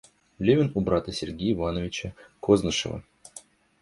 Левин у брата Сергея Ивановича Кознышева.